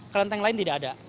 kelenteng lain tidak ada